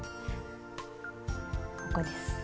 ここです。